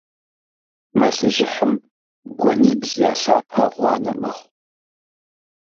Мэлыжьыхьым гуэнибл я лъапэ гъуанэ мэхъу.